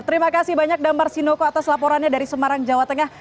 terima kasih banyak damar sinoko atas laporannya dari semarang jawa tengah